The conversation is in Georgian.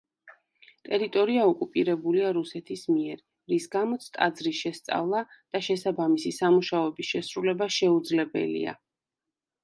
ტერიტორია ოკუპირებულია რუსეთის მიერ, რის გამოც ტაძრის შესწავლა და შესაბამისი სამუშაოების შესრულება შეუძლებელია.